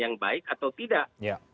yang baik atau tidak